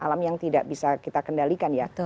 alam yang tidak bisa kita kendalikan ya